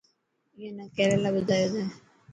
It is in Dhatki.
اي نا ڪير يلا ٻڌايو تين.